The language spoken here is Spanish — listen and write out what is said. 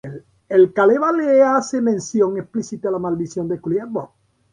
El Kalevala no hace mención explícita a la maldición de Kullervo.